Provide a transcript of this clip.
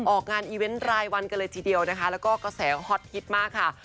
ออกงานอิเวนต์ไลน์วันกันเลยทีเดียวแล้วก็แสวฮอตฮิตมากค่ะ